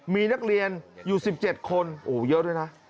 มีนักเรียนอยู่๑๗คนโอ้โหเยอะด้วยนะ